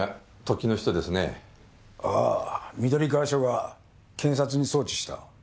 ああ緑川署が検察に送致した。